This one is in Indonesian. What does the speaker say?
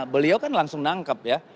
beliau kan langsung nangkep ya